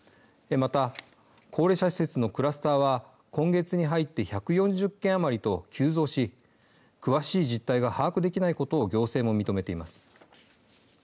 また高齢者施設のクラスターは今月に入って１４０件余りと急増し詳しい実態が把握できないことを行政も認めています。